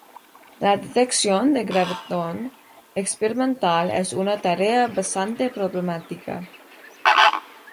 La detección del gravitón experimental es una tarea bastante problemática.